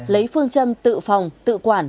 lấy phương châm tự phòng tự quản